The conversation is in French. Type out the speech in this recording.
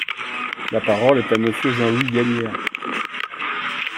La parole est à Monsieur Jean-Louis Gagnaire.